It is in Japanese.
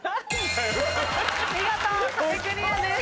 見事壁クリアです。